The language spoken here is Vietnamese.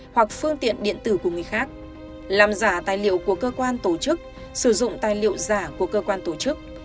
hoặc phương tiện điện tử của người khác làm giả tài liệu của cơ quan tổ chức sử dụng tài liệu giả của cơ quan tổ chức